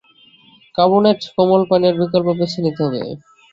Carbonated কোমল পানীয়ের বিকল্প বেছে নিতে হবে।